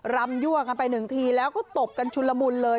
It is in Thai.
รำยั่วกันไปหนึ่งทีแล้วก็ตบกันชุนละมุนเลย